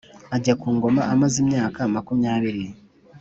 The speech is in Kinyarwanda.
Ajya ku ngoma amaze imyaka makumyabiri